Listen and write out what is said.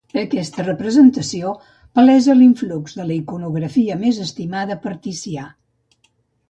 Aquesta representació palesa l'influx de la iconografia més estimada per Ticià.